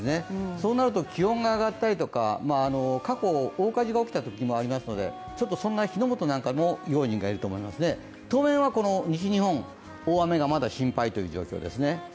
そうすると気温が上がったりとか過去大火事が起きたときもありますので火の元なんかにも用心がいると思いますね、当面は西日本大雨がまだ心配という状況ですね。